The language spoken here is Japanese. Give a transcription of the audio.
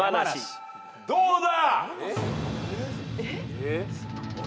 どうだ？